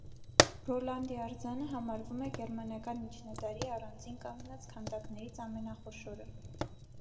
Ռոլանդի արձանը համարվում է գերմանական միջնադարի առանձին կանգնած քանդակներից ամենախոշորը։